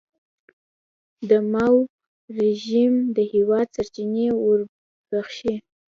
د ماوو رژیم د هېواد سرچینې وزبېښي.